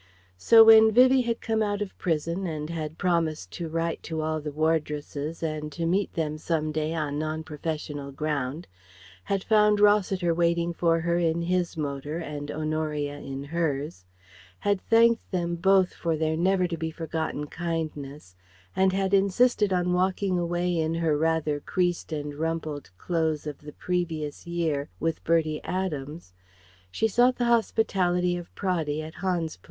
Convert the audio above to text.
So when Vivie had come out of prison and had promised to write to all the wardresses and to meet them some day on non professional ground; had found Rossiter waiting for her in his motor and Honoria in hers; had thanked them both for their never to be forgotten kindness, and had insisted on walking away in her rather creased and rumpled clothes of the previous year with Bertie Adams; she sought the hospitality of Praddy at Hans Place.